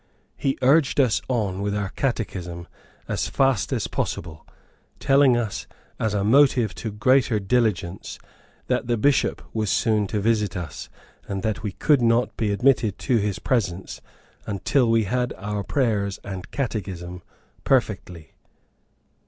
He urged us on with our catechism as fast as possible, telling us, as a motive to greater diligence, that the bishop was soon to visit us, and that we could not be admitted to his presence until we had our prayers and catechism perfectly.